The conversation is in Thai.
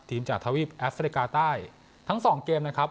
จากทวีปแอฟริกาใต้ทั้งสองเกมนะครับ